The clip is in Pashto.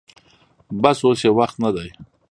بس اوس يې وخت نه دې.